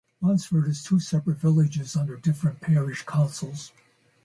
Wansford is two separate villages under different parish councils.